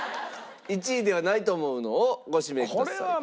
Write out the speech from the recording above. １位ではないと思うのをご指名ください。